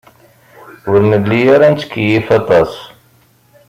Ur nelli ara nettkeyyif aṭas.